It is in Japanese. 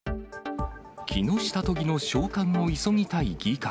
木下都議の召喚を急ぎたい議会。